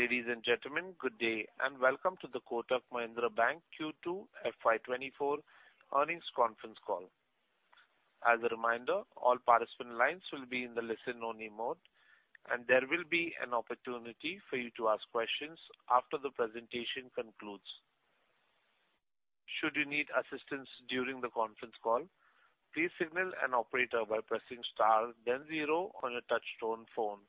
Ladies and gentlemen, good day, and welcome to the Kotak Mahindra Bank Q2 FY 2024 Earnings Conference Call. As a reminder, all participant lines will be in the listen-only mode, and there will be an opportunity for you to ask questions after the presentation concludes. Should you need assistance during the conference call, please signal an operator by pressing star then zero on your touchtone phone.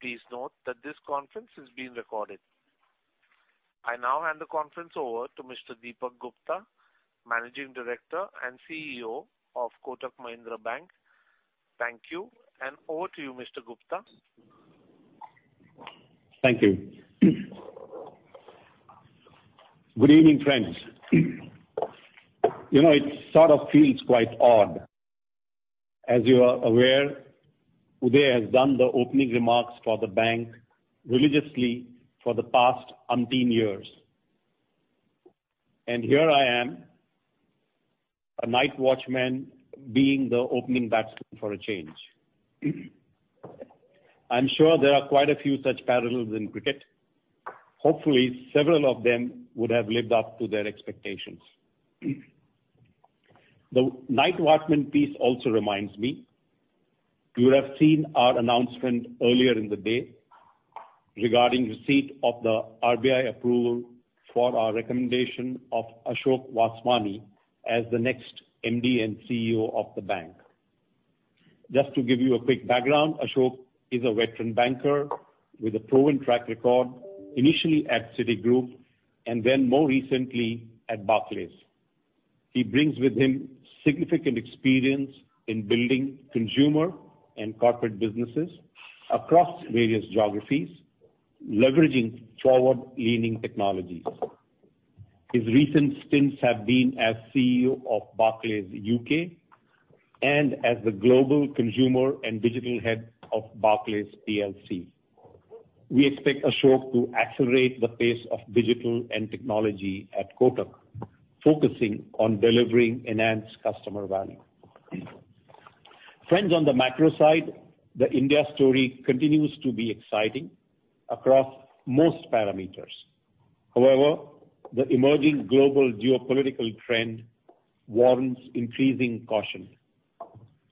Please note that this conference is being recorded. I now hand the conference over to Mr. Dipak Gupta, Managing Director and CEO of Kotak Mahindra Bank. Thank you, and over to you, Mr. Gupta. Thank you. Good evening, friends. You know, it sort of feels quite odd. As you are aware, Uday has done the opening remarks for the bank religiously for the past umpteen years, and here I am, a night watchman, being the opening batsman for a change. I'm sure there are quite a few such parallels in cricket. Hopefully, several of them would have lived up to their expectations. The night watchman piece also reminds me, you would have seen our announcement earlier in the day regarding receipt of the RBI approval for our recommendation of Ashok Vaswani as the next MD and CEO of the bank. Just to give you a quick background, Ashok is a veteran banker with a proven track record, initially at Citigroup and then more recently at Barclays. He brings with him significant experience in building consumer and corporate businesses across various geographies, leveraging forward-leaning technologies. His recent stints have been as CEO of Barclays UK and as the Global Consumer and Digital Head of Barclays PLC. We expect Ashok to accelerate the pace of digital and technology at Kotak, focusing on delivering enhanced customer value. Friends, on the macro side, the India story continues to be exciting across most parameters. However, the emerging global geopolitical trend warrants increasing caution.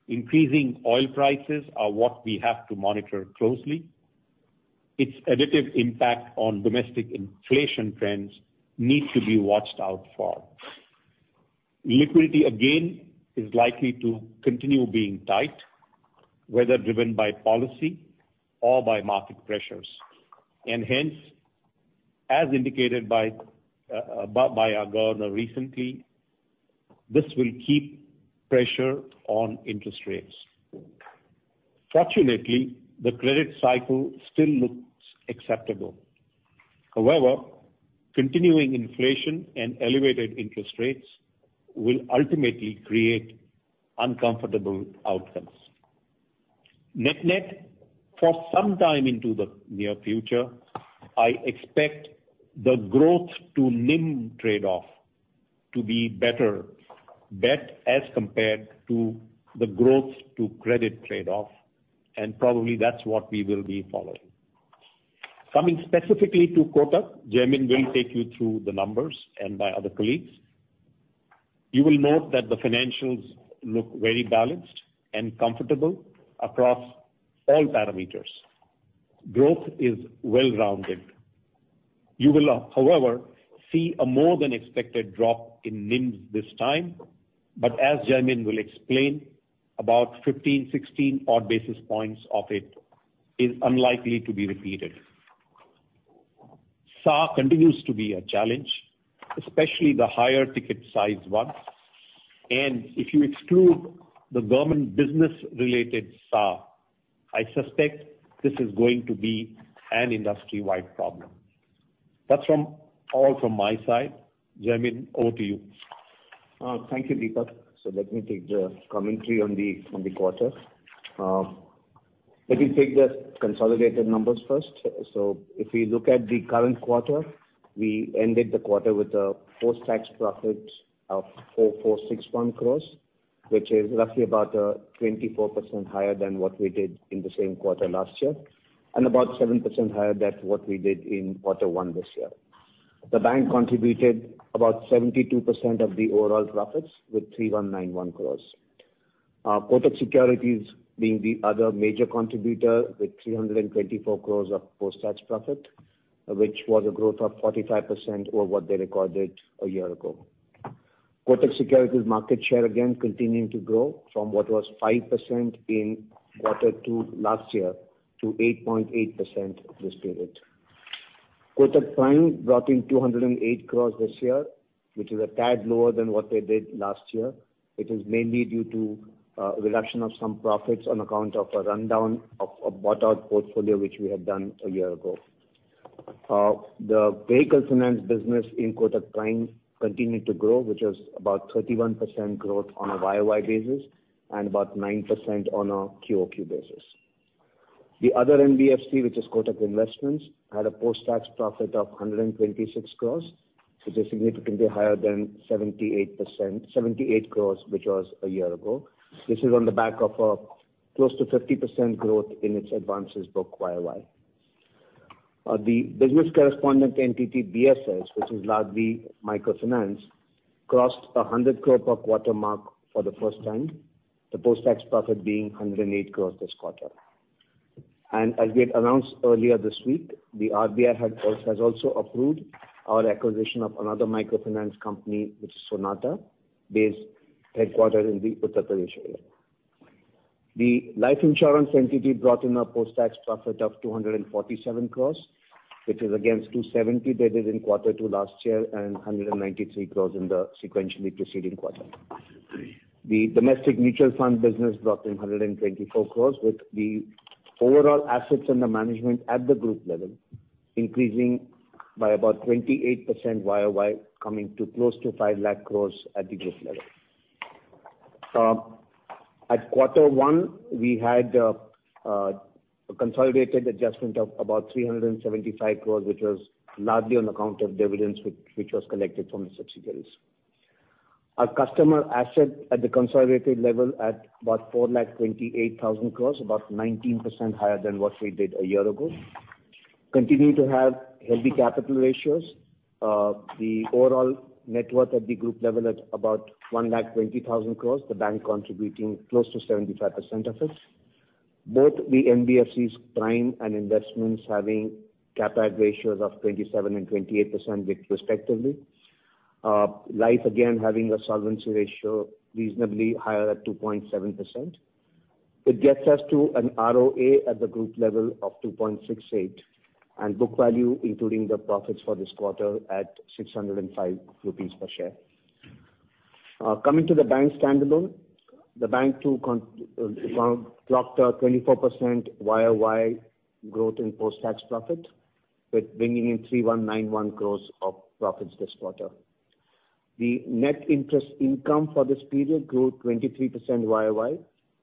Increasing oil prices are what we have to monitor closely. Its additive impact on domestic inflation trends need to be watched out for. Liquidity, again, is likely to continue being tight, whether driven by policy or by market pressures, and hence, as indicated by our governor recently, this will keep pressure on interest rates. Fortunately, the credit cycle still looks acceptable. However, continuing inflation and elevated interest rates will ultimately create uncomfortable outcomes. Net-net, for some time into the near future, I expect the growth to NIM trade-off to be better bet as compared to the growth to credit trade-off, and probably that's what we will be following. Coming specifically to Kotak, Jaimin will take you through the numbers, and my other colleagues. You will note that the financials look very balanced and comfortable across all parameters. Growth is well-rounded. You will, however, see a more than expected drop in NIMs this time, but as Jaimin will explain, about 15, 16 odd basis points of it is unlikely to be repeated. SA continues to be a challenge, especially the higher ticket size ones, and if you exclude the government business-related SA, I suspect this is going to be an industry-wide problem. That's all from my side. Jaimin, over to you. Thank you, Dipak. So let me take the commentary on the quarter. Let me take the consolidated numbers first. So if we look at the current quarter, we ended the quarter with a post-tax profit of 4,461 crores, which is roughly about 24% higher than what we did in the same quarter last year, and about 7% higher than what we did in quarter one this year. The bank contributed about 72% of the overall profits with 3,191 crores. Kotak Securities being the other major contributor with 324 crores of post-tax profit, which was a growth of 45% over what they recorded a year ago. Kotak Securities market share again continuing to grow from what was 5% in quarter two last year to 8.8% this period. Kotak Prime brought in 208 crore this year, which is a tad lower than what they did last year. It is mainly due to reduction of some profits on account of a rundown of a bought-out portfolio, which we had done a year ago. The vehicle finance business in Kotak Prime continued to grow, which was about 31% growth on a year-over-year basis and about 9% on a quarter-over-quarter basis. The other NBFC, which is Kotak Investments, had a post-tax profit of 126 crore, which is significantly higher than 78 crore, which was a year ago. This is on the back of close to 50% growth in its advances book year-over-year. The business correspondent entity, BSS, which is largely microfinance, crossed the 100 crore per quarter mark for the first time, the post-tax profit being 108 crore this quarter. As we had announced earlier this week, the RBI has also approved our acquisition of another microfinance company, which is Sonata, headquartered in the Uttar Pradesh area. The life insurance entity brought in a post-tax profit of 247 crore, which is against 270 that is in quarter two last year, and 193 crore in the sequentially preceding quarter. The domestic mutual fund business brought in 124 crore, with the overall assets under management at the group level increasing by about 28% YoY, coming to close to 500,000 crore at the group level. At quarter one, we had a consolidated adjustment of about 375 crore, which was largely on account of dividends, which was collected from the subsidiaries. Our customer asset at the consolidated level at about 428,000 crore, about 19% higher than what we did a year ago. Continue to have healthy capital ratios. The overall net worth at the group level at about 120,000 crore, the bank contributing close to 75% of it. Both the NBFCs, Prime and Investments, having CRAR ratios of 27% and 28%, respectively. Life again having a solvency ratio reasonably higher at 2.7%. It gets us to an ROA at the group level of 2.68%, and book value, including the profits for this quarter, at 605 rupees per share. Coming to the bank standalone, the bank too dropped a 24% year-over-year growth in post-tax profit, with bringing in 3,191 crore of profits this quarter. The net interest income for this period grew 23% year-over-year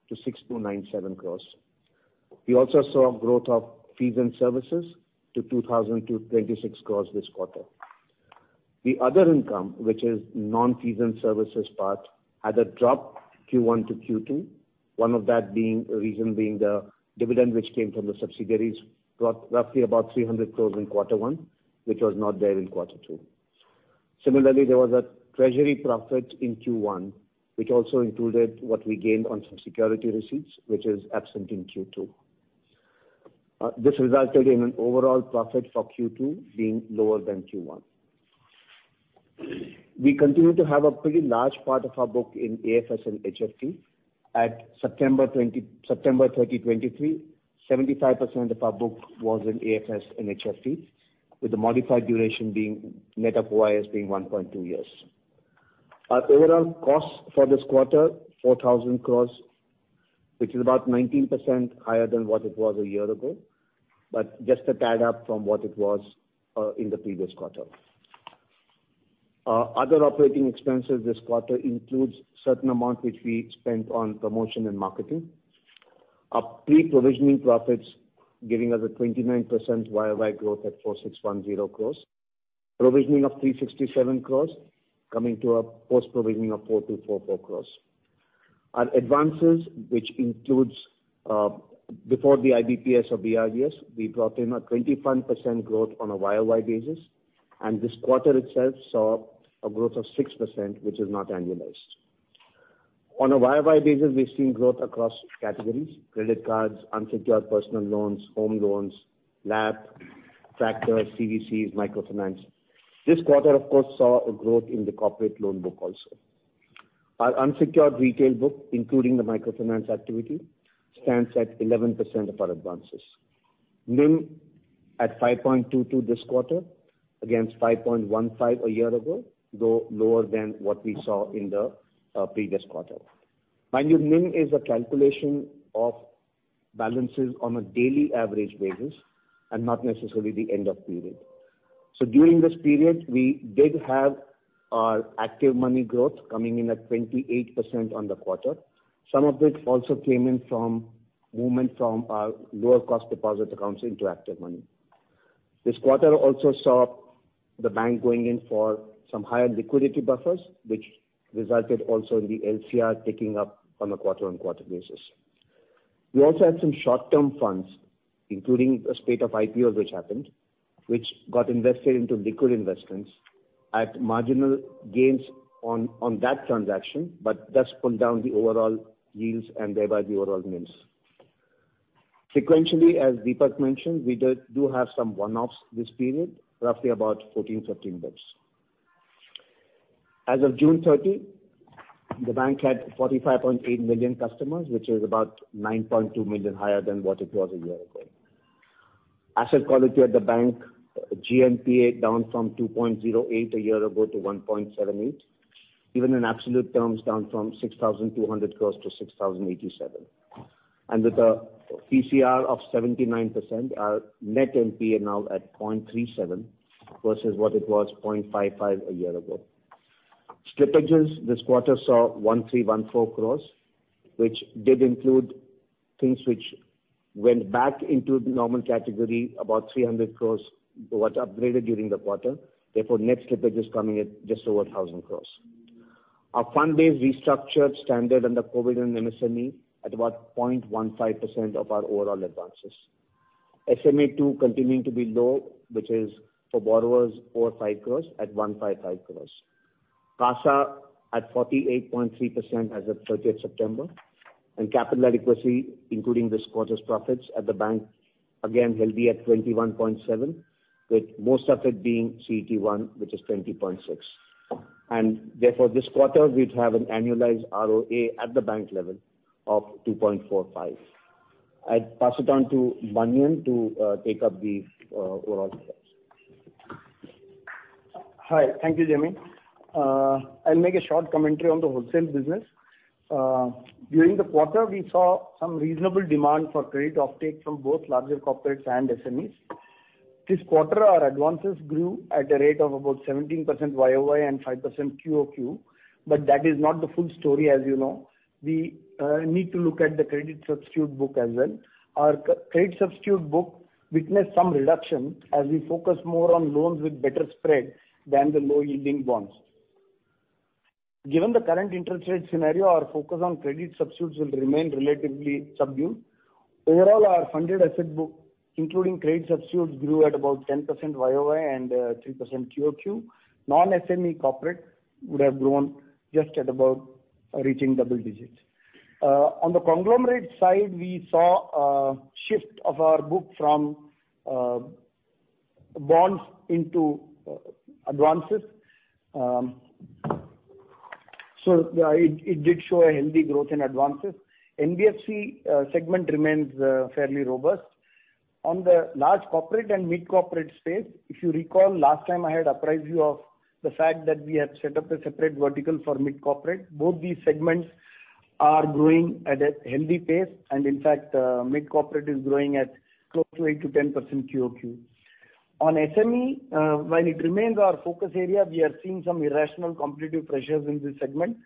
to 6,297 crore. We also saw a growth of fees and services to 2,226 crore this quarter. The other income, which is non-fees and services part, had a drop Q1 to Q2. One of that being, reason being the dividend which came from the subsidiaries, brought roughly about 300 crore in quarter one, which was not there in quarter two. Similarly, there was a treasury profit in Q1, which also included what we gained on some security receipts, which is absent in Q2. This resulted in an overall profit for Q2 being lower than Q1. We continue to have a pretty large part of our book in AFS and HFT. At September 30, 2023, 75% of our book was in AFS and HFT, with the modified duration being net of OAS being 1.2 years. Our overall cost for this quarter, 4,000 crore, which is about 19% higher than what it was a year ago, but just a tad up from what it was in the previous quarter. Other operating expenses this quarter includes certain amount which we spent on promotion and marketing. Our pre-provisioning profits giving us a 29% YoY growth at 4,610 crore. Provisioning of 367 crore, coming to a post-provisioning of 4,244 crore. Our advances, which includes, before the IBPCs or the IBPC, we brought in a 21% growth on a year-over-year basis, and this quarter itself saw a growth of 6%, which is not annualized. On a year-over-year basis, we've seen growth across categories: credit cards, unsecured personal loans, home loans, LAP, tractors, CVs, microfinance. This quarter, of course, saw a growth in the corporate loan book also. Our unsecured retail book, including the microfinance activity, stands at 11% of our advances. NIM at 5.22% this quarter, against 5.15% a year ago, though lower than what we saw in the previous quarter. Mind you, NIM is a calculation of balances on a daily average basis and not necessarily the end of period. During this period, we did have our ActivMoney growth coming in at 28% on the quarter. Some of this also came in from movement from our lower cost deposit accounts into ActivMoney. This quarter also saw the bank going in for some higher liquidity buffers, which resulted also in the LCR ticking up on a quarter-on-quarter basis. We also had some short-term funds, including a spate of IPOs which happened, which got invested into liquid investments at marginal gains on that transaction, but that's pulled down the overall yields and thereby the overall NIMs. Sequentially, as Deepak mentioned, we do have some one-offs this period, roughly about 14-15 basis. As of June 30, the bank had 45.8 million customers, which is about 9.2 million higher than what it was a year ago. Asset quality at the bank, GNPA down from 2.08 a year ago to 1.78. Even in absolute terms, down from 6,200 crore-6,087 crore. With a PCR of 79%, our net NPA now at 0.37% versus what it was, 0.55%, a year ago. Slippages this quarter saw 1,314 crore, which did include things which went back into the normal category. About 300 crore was upgraded during the quarter, therefore, net slippage is coming at just over 1,000 crore. Our fund-based restructured, standard under COVID and MSME at about 0.15% of our overall advances. SMA 2 continuing to be low, which is for borrowers 4 crore-5 crore at 155 crore. CASA at 48.3% as of 30th September, and capital adequacy, including this quarter's profits at the bank, again, will be at 21.7, with most of it being CET1, which is 20.6. And therefore, this quarter, we'd have an annualized ROA at the bank level of 2.45. I'll pass it on to Manian to take up the overall sales. Hi. Thank you, Jaimin. I'll make a short commentary on the wholesale business. During the quarter, we saw some reasonable demand for credit offtake from both larger corporates and SMEs. This quarter, our advances grew at a rate of about 17% YoY and 5% QoQ, but that is not the full story, as you know. We need to look at the credit substitute book as well. Our credit substitute book witnessed some reduction as we focus more on loans with better spread than the low-yielding bonds. Given the current interest rate scenario, our focus on credit substitutes will remain relatively subdued. Overall, our funded asset book, including credit substitutes, grew at about 10% YoY and three percent QoQ. Non-SME corporate would have grown just at about reaching double digits. On the conglomerate side, we saw a shift of our book from bonds into advances. So it did show a healthy growth in advances. NBFC segment remains fairly robust. On the large corporate and mid-corporate space, if you recall, last time I had apprised you of the fact that we had set up a separate vertical for mid-corporate. Both these segments are growing at a healthy pace, and in fact, mid-corporate is growing at close to 8%-10% QoQ. On SME, while it remains our focus area, we are seeing some irrational competitive pressures in this segment,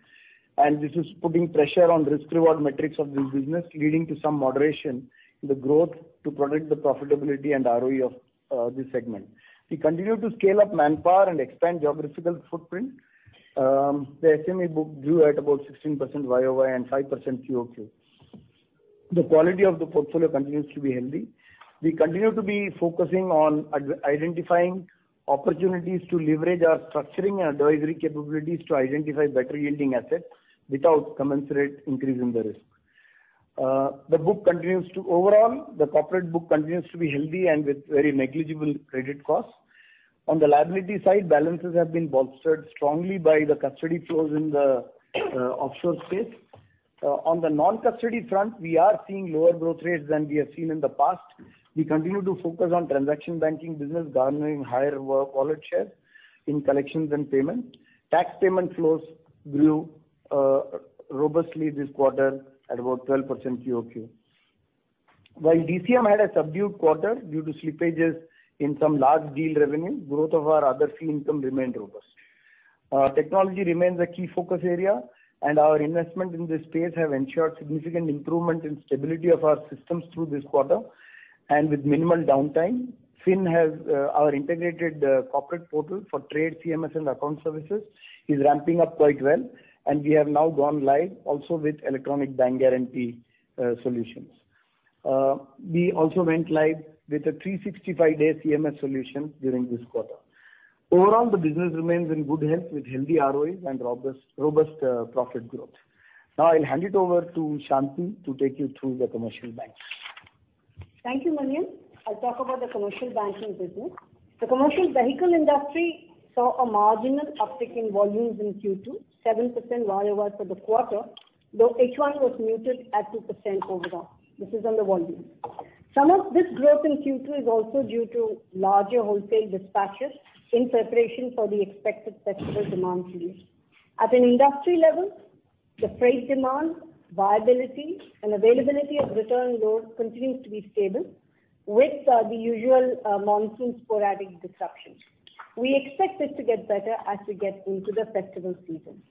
and this is putting pressure on risk-reward metrics of this business, leading to some moderation in the growth to protect the profitability and ROE of this segment. We continue to scale up manpower and expand geographical footprint. The SME book grew at about 16% YoY and 5% QoQ. The quality of the portfolio continues to be healthy. We continue to be focusing on identifying opportunities to leverage our structuring and advisory capabilities to identify better yielding assets without commensurate increase in the risk. The book continues to, overall, the corporate book continues to be healthy and with very negligible credit costs. On the liability side, balances have been bolstered strongly by the custody flows in the offshore space. On the non-custody front, we are seeing lower growth rates than we have seen in the past. We continue to focus on transaction banking business, garnering higher wallet share in collections and payments. Tax payment flows grew robustly this quarter at about 12% QoQ. While DCM had a subdued quarter due to slippages in some large deal revenue, growth of our other fee income remained robust. Technology remains a key focus area, and our investment in this space have ensured significant improvement in stability of our systems through this quarter and with minimal downtime. fyn has, our integrated, corporate portal for trade, CMS, and account services, is ramping up quite well, and we have now gone live also with electronic bank guarantee, solutions. We also went live with a 365-day CMS solution during this quarter. Overall, the business remains in good health, with healthy ROEs and robust, robust, profit growth. Now, I'll hand it over to Shanti to take you through the commercial bank. Thank you, Manian. I'll talk about the commercial banking business. The commercial vehicle industry saw a marginal uptick in volumes in Q2, 7% YoY for the quarter, though HY was muted at 2% overall. This is on the volume. Some of this growth in Q2 is also due to larger wholesale dispatches in preparation for the expected festival demand release. At an industry level, the freight demand, viability, and availability of return load continues to be stable, with the usual monsoon sporadic disruptions. We expect this to get better as we get into the festival season.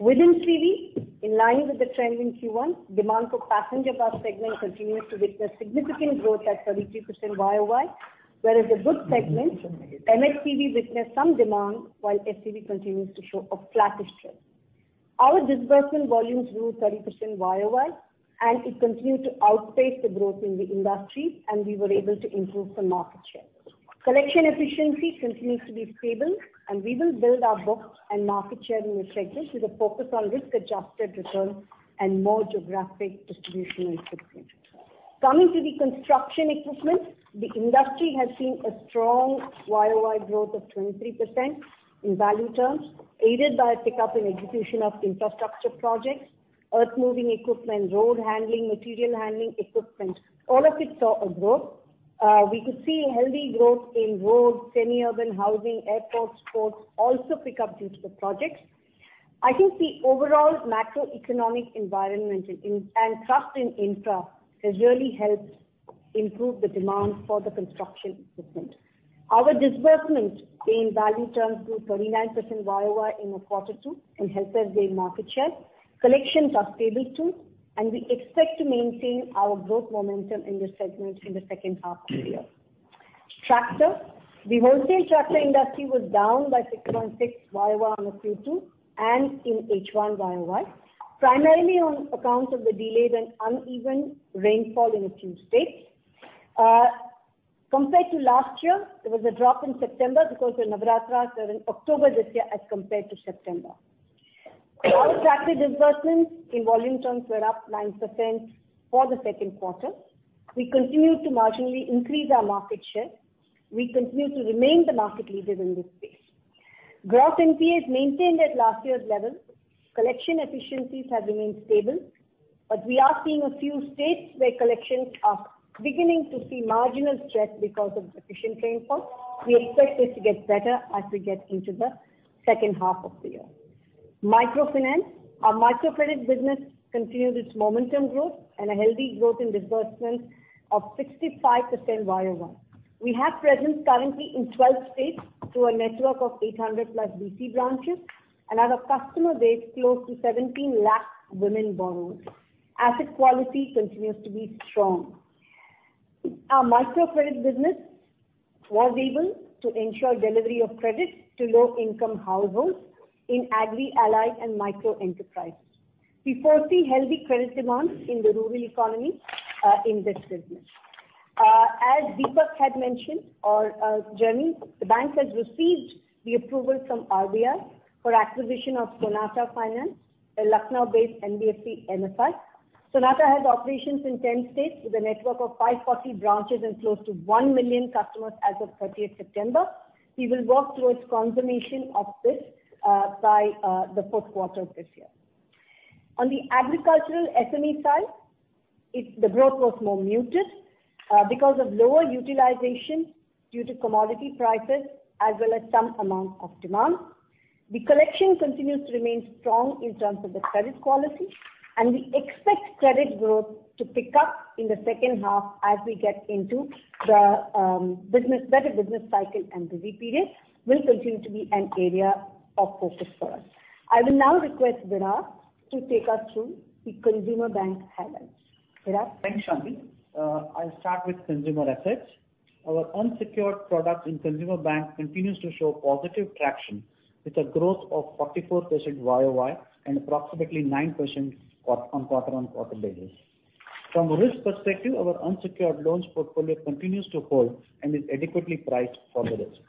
Within CV, in line with the trend in Q1, demand for passenger bus segment continues to witness significant growth at 33% YoY, whereas the goods segment, MHCV, witnessed some demand, while HCV continues to show a flattish trend. Our disbursement volumes grew 30% YoY, and it continued to outpace the growth in the industry, and we were able to improve the market share. Collection efficiency continues to be stable, and we will build our book and market share in this segment with a focus on risk-adjusted return and more geographic distribution and footprint. Coming to the construction equipment, the industry has seen a strong YoY growth of 23% in value terms, aided by a pickup in execution of infrastructure projects, earthmoving equipment, road handling, material handling equipment, all of it saw a growth. We could see healthy growth in roads, semi-urban housing, airports, ports also pick up due to the projects. I think the overall macroeconomic environment and trust in infra has really helped improve the demand for the construction equipment. Our disbursements in value terms grew 29% year-over-year in the quarter two and helped us gain market share. Collections are stable, too, and we expect to maintain our growth momentum in this segment in the second half of the year. Tractor. The wholesale tractor industry was down by 6.6% year-over-year on the Q2 and in H1 year-over-year, primarily on account of the delayed and uneven rainfall in a few states. Compared to last year, there was a drop in September because the Navaratras were in October this year, as compared to September. Our tractor disbursements in volume terms were up 9% for the second quarter. We continue to marginally increase our market share. We continue to remain the market leader in this space. Gross NPAs maintained at last year's level. Collection efficiencies have remained stable, but we are seeing a few states where collections are beginning to see marginal stress because of deficient rainfall. We expect this to get better as we get into the second half of the year. Microfinance. Our microfinance credit business continues its momentum growth and a healthy growth in disbursements of 65% year-over-year. We have presence currently in 12 states through a network of 800+ BC branches, and have a customer base close to 1,700,000 women borrowers. Asset quality continues to be strong. Our micro credit business was able to ensure delivery of credit to low-income households in agri-allied and micro enterprises. We foresee healthy credit demands in the rural economy, in this business. As Deepak had mentioned, or Jaimin, the bank has received the approval from RBI for acquisition of Sonata Finance, a Lucknow-based NBFC MFI. Sonata has operations in 10 states, with a network of 540 branches and close to 1 million customers as of 30 September. We will work towards consummation of this by the fourth quarter of this year. On the agricultural SME side, the growth was more muted because of lower utilization due to commodity prices, as well as some amount of demand. The collection continues to remain strong in terms of the credit quality, and we expect credit growth to pick up in the second half as we get into the better business cycle, and busy period will continue to be an area of focus for us. I will now request Virat to take us through the consumer bank highlights. Virat? Thanks, Shanti. I'll start with consumer assets. Our unsecured products in consumer bank continues to show positive traction, with a growth of 44% YoY and approximately 9% on, on quarter-on-quarter basis. From a risk perspective, our unsecured loans portfolio continues to hold and is adequately priced for the risk.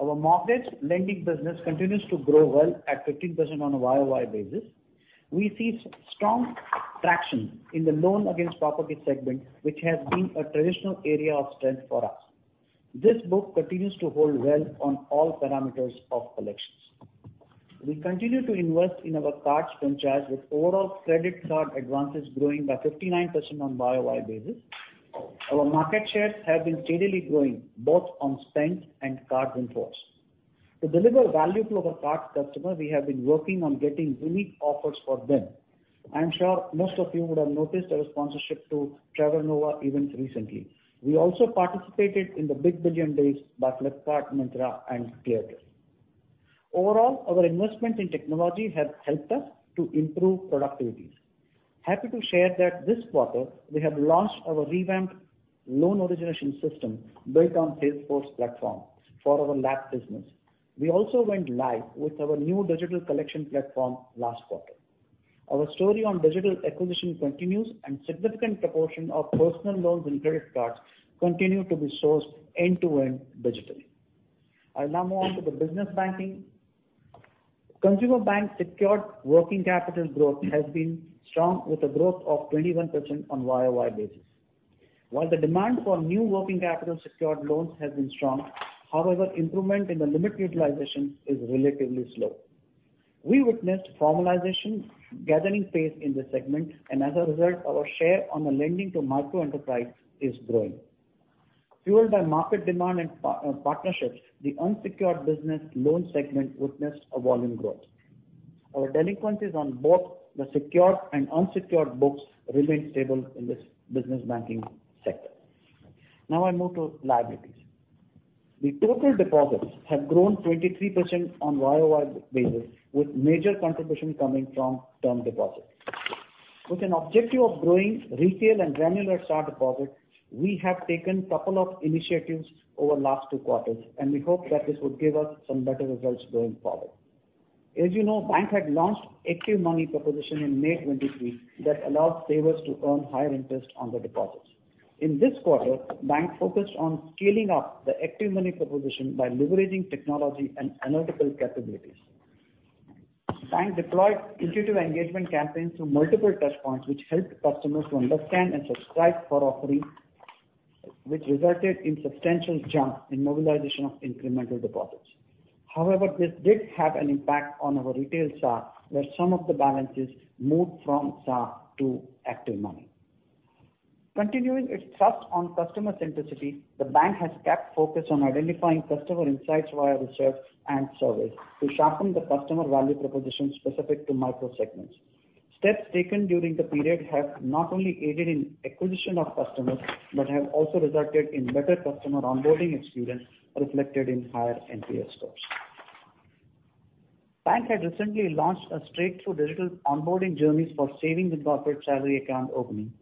Our mortgage lending business continues to grow well at 15% on a YoY basis. We see strong traction in the loan against property segment, which has been a traditional area of strength for us. This book continues to hold well on all parameters of collections. We continue to invest in our cards franchise, with overall credit card advances growing by 59% on YoY basis. Our market shares have been steadily growing, both on spend and card imports. To deliver value to our card customers, we have been working on getting unique offers for them. I'm sure most of you would have noticed our sponsorship to Trevor Noah event recently. We also participated in the Big Billion Days by Flipkart, Myntra, and Cleartrip. Overall, our investment in technology has helped us to improve productivities. Happy to share that this quarter, we have launched our revamped loan origination system built on Salesforce platform for our LAP business. We also went live with our new digital collection platform last quarter. Our story on digital acquisition continues, and significant proportion of personal loans and credit cards continue to be sourced end-to-end digitally. I'll now move on to the business banking. Consumer bank secured working capital growth has been strong, with a growth of 21% on YoY basis. While the demand for new working capital secured loans has been strong, however, improvement in the limit utilization is relatively slow. We witnessed formalization gathering pace in this segment, and as a result, our share on the lending to micro enterprise is growing. Fueled by market demand and partnerships, the unsecured business loan segment witnessed a volume growth. Our delinquencies on both the secured and unsecured books remain stable in this business banking sector. Now I move to liabilities. The total deposits have grown 23% on YoY basis, with major contribution coming from term deposits. With an objective of growing retail and granular SAAS deposits, we have taken couple of initiatives over last two quarters, and we hope that this would give us some better results going forward. As you know, bank had launched ActivMoney proposition in May 2023, that allows savers to earn higher interest on their deposits. In this quarter, bank focused on scaling up the ActivMoney proposition by leveraging technology and analytical capabilities. Bank deployed intuitive engagement campaigns through multiple touch points, which helped customers to understand and subscribe for offerings, which resulted in substantial jump in mobilization of incremental deposits. However, this did have an impact on our retail SAAS, where some of the balnces moved from SAAS to ActivMoney. Continuing its thrust on customer centricity, the bank has kept focus on identifying customer insights via research and surveys to sharpen the customer value proposition specific to micro segments. Steps taken during the period have not only aided in acquisition of customers, but have also resulted in better customer onboarding experience, reflected in higher NPS scores. Bank had recently launched a straightforward digital onboarding journeys for savings and corporate salary account opening.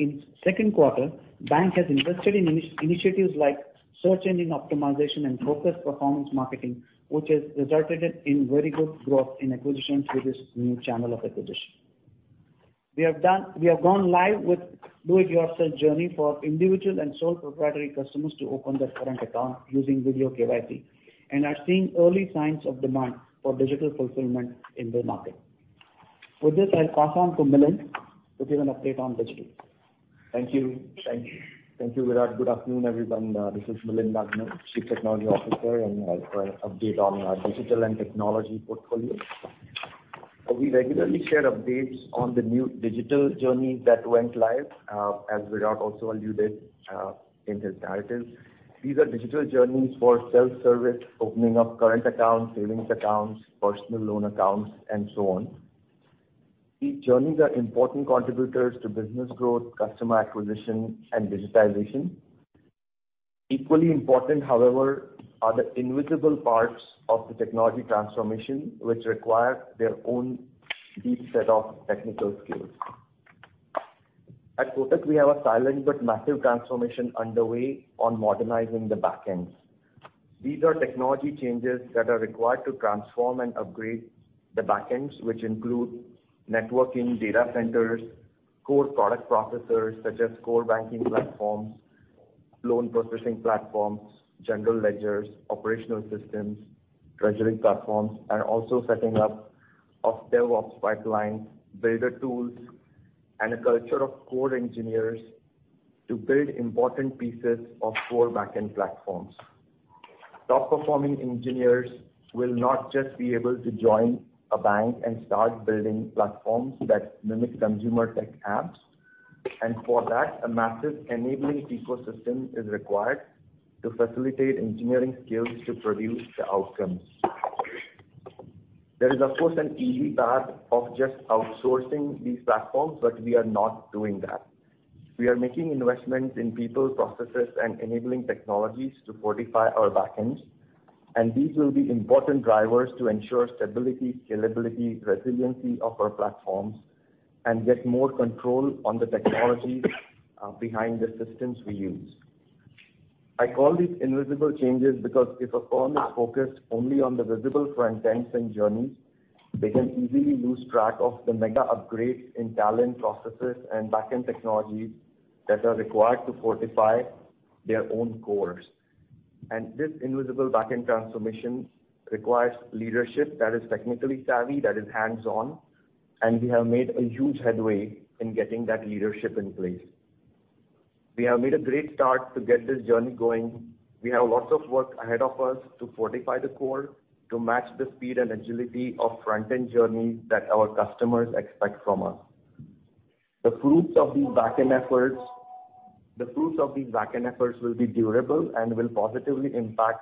In second quarter, bank has invested in initiatives like search engine optimization and focused performance marketing, which has resulted in very good growth in acquisitions through this new channel of acquisition. We have gone live with do-it-yourself journey for individual and sole proprietary customers to open their current account using video KYC, and are seeing early signs of demand for digital fulfillment in the market. With this, I'll pass on to Milind to give an update on digital. Thank you. Thank you, Virat. Good afternoon, everyone. This is Milind Nagnur, Chief Technology Officer, and I'll provide update on our digital and technology portfolio. We regularly share updates on the new digital journeys that went live, as Virat also alluded in his narrative. These are digital journeys for self-service, opening of current accounts, savings accounts, personal loan accounts, and so on. These journeys are important contributors to business growth, customer acquisition, and digitization. Equally important, however, are the invisible parts of the technology transformation, which require their own deep set of technical skills. At Kotak, we have a silent but massive transformation underway on modernizing the back ends. These are technology changes that are required to transform and upgrade the back ends, which include networking data centers, core product processors such as core banking platforms, loan processing platforms, general ledgers, operational systems, treasury platforms, and also setting up of DevOps pipelines, builder tools, and a culture of core engineers to build important pieces of core back-end platforms. Top-performing engineers will not just be able to join a bank and start building platforms that mimic consumer tech apps, and for that, a massive enabling ecosystem is required to facilitate engineering skills to produce the outcomes. There is, of course, an easy path of just outsourcing these platforms, but we are not doing that. We are making investments in people, processes, and enabling technologies to fortify our back ends, and these will be important drivers to ensure stability, scalability, resiliency of our platforms, and get more control on the technologies, behind the systems we use. I call these invisible changes because if a firm is focused only on the visible front ends and journeys, they can easily lose track of the mega upgrades in talent, processes, and back-end technologies that are required to fortify their own cores. This invisible back-end transformation requires leadership that is technically savvy, that is hands-on, and we have made a huge headway in getting that leadership in place. We have made a great start to get this journey going. We have lots of work ahead of us to fortify the core, to match the speed and agility of front-end journeys that our customers expect from us. The fruits of these back-end efforts, the fruits of these back-end efforts will be durable and will positively impact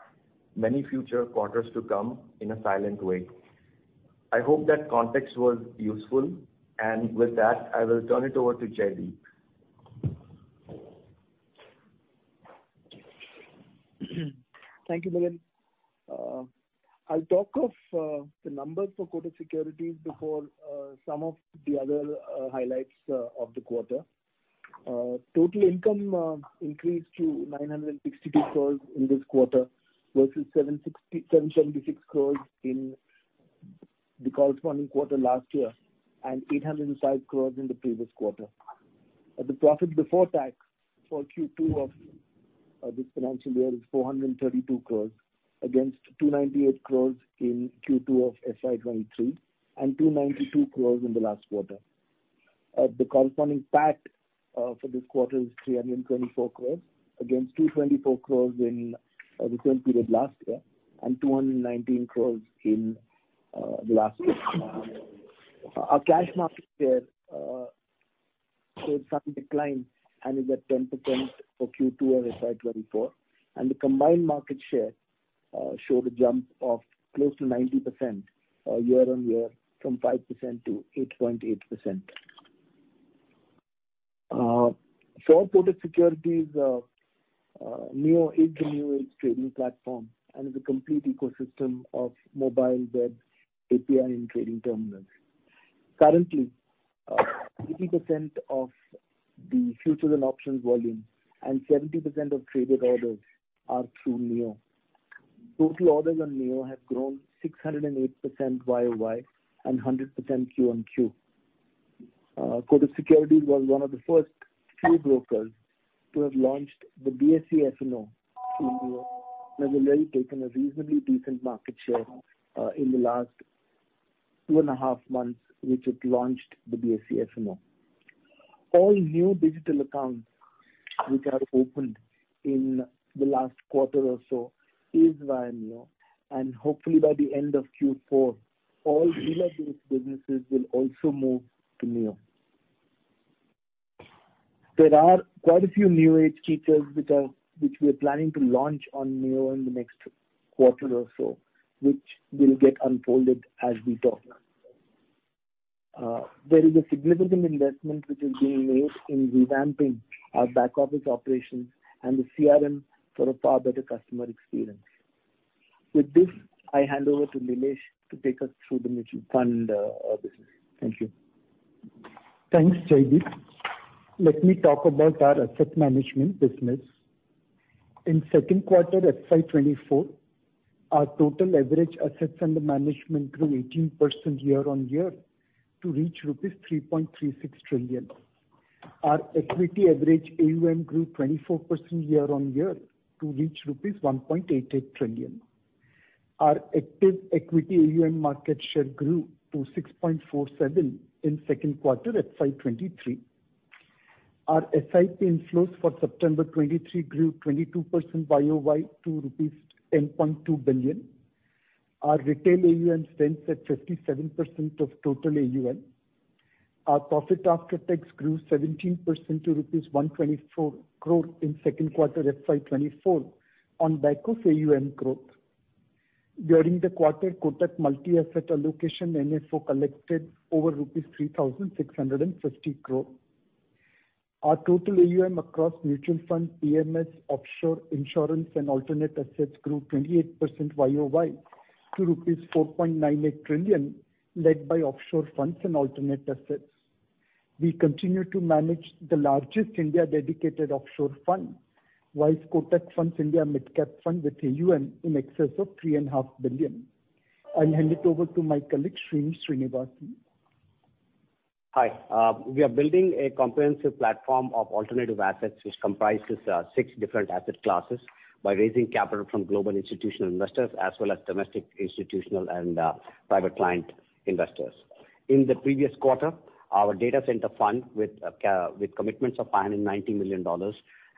many future quarters to come in a silent way. I hope that context was useful, and with that, I will turn it over to Jaideep. Thank you, Milind. I'll talk of the numbers for Kotak Securities before some of the other highlights of the quarter. Total income increased to 962 crore in this quarter, versus 767.76 crore in the corresponding quarter last year, and 805 crore in the previous quarter. The profit before tax for Q2 of this financial year is 432 crore, against 298 crore in Q2 of FY 2023, and 292 crore in the last quarter. The corresponding PAT for this quarter is 324 crore, against 224 crore in the same period last year, and 219 crore in the last quarter. Our cash market share showed some decline and is at 10% for Q2 of FY 2024, and the combined market share showed a jump of close to 90% year-on-year, from 5%-8.8%. So Kotak Securities, NEO is the new age trading platform and is a complete ecosystem of mobile, web, API, and trading terminals. Currently, 80% of the futures and options volume and 70% of traded orders are through NEO. Total orders on NEO have grown 608% YoY and 100% QoQ. Kotak Securities was one of the first few brokers to have launched the BSE F&O. It has already taken a reasonably decent market share in the last 2.5 months, which it launched the BSE F&O. All new digital accounts which are opened in the last quarter or so is via NEO, and hopefully, by the end of Q4, all businesses will also move to NEO. There are quite a few new age features which we are planning to launch on Neo in the next quarter or so, which will get unfolded as we talk. There is a significant investment which is being made in revamping our back office operations and the CRM for a far better customer experience. With this, I hand over to Nilesh to take us through the mutual fund business. Thank you. Thanks, Jaideep. Let me talk about our asset management business. In second quarter FY 2024, our total average assets under management grew 18% year-on-year to reach rupees 3.36 trillion. Our equity average AUM grew 24% year-on-year to reach rupees 1.88 trillion. Our active equity AUM market share grew to 6.47% in second quarter FY 2023. Our SIP inflows for September 2023 grew 22% YoY to rupees 10.2 billion. Our retail AUM stands at 57% of total AUM. Our profit after tax grew 17% to rupees 124 crore in second quarter FY 2024 on back of AUM growth. During the quarter, Kotak Multi-Asset Allocation NFO collected over rupees 3,650 crore. Our total AUM across mutual fund, PMS, offshore insurance and alternate assets grew 28% YoY to INR 4.98 trillion, led by offshore funds and alternate assets. We continue to manage the largest India dedicated offshore fund, with Kotak Funds India Midcap Fund with AUM in excess of $3.5 billion. I'll hand it over to my colleague, Srini Sriniwasan. Hi. We are building a comprehensive platform of alternative assets, which comprises six different asset classes, by raising capital from global institutional investors as well as domestic, institutional, and private client investors. In the previous quarter, our data center fund with commitments of $590 million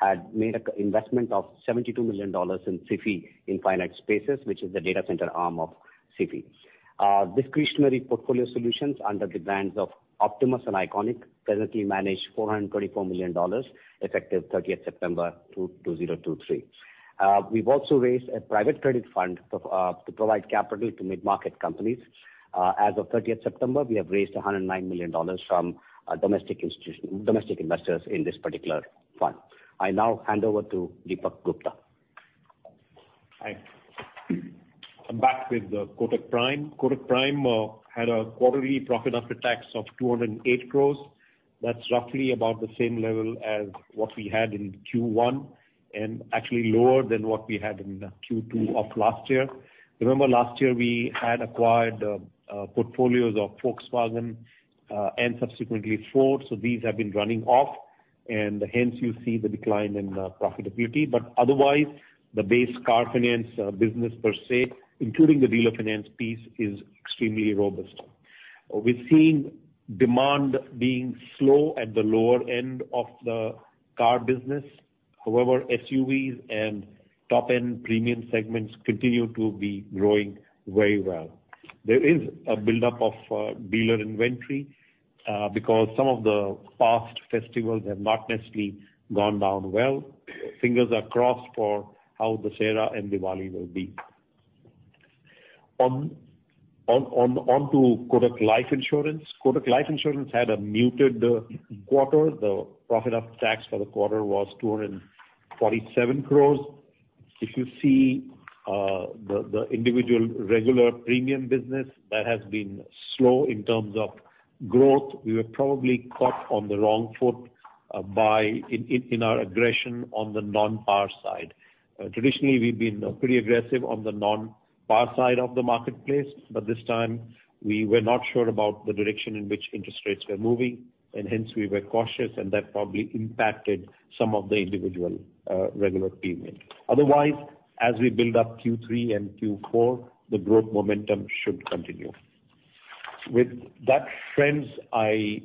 had made an investment of $72 million in Sify Infinit Spaces, which is the data center arm of Sify. Discretionary portfolio solutions under the brands of Optimus and Iconic currently manage $434 million, effective 30 September 2023. We've also raised a private credit fund to provide capital to mid-market companies. As of 30 September, we have raised $109 million from our domestic investors in this particular fund. I now hand over to Deepak Gupta. Hi. I'm back with Kotak Prime. Kotak Prime had a quarterly profit after tax of 208 crore. That's roughly about the same level as what we had in Q1, and actually lower than what we had in Q2 of last year. Remember last year, we had acquired portfolios of Volkswagen and subsequently, Ford, so these have been running off, and hence you see the decline in profitability. But otherwise, the base car finance business per se, including the dealer finance piece, is extremely robust. We've seen demand being slow at the lower end of the car business. However, SUVs and top-end premium segments continue to be growing very well. There is a buildup of dealer inventory because some of the past festivals have not necessarily gone down well. Fingers are crossed for how Dussehra and Diwali will be. On to Kotak Life Insurance. Kotak Life Insurance had a muted quarter. The profit after tax for the quarter was 247 crore. If you see, the individual regular premium business, that has been slow in terms of growth. We were probably caught on the wrong foot by our aggression on the non-par side. Traditionally, we've been pretty aggressive on the non-par side of the marketplace, but this time we were not sure about the direction in which interest rates were moving, and hence we were cautious, and that probably impacted some of the individual regular premium. Otherwise, as we build up Q3 and Q4, the growth momentum should continue. With that, friends, I